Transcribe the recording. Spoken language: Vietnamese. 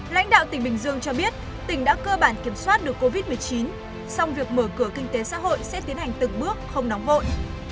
lãnh đạo tỉnh bình dương cho biết tỉnh đã cơ bản kiểm soát được covid một mươi chín song việc mở cửa kinh tế xã hội sẽ tiến hành từng bước không nóng vội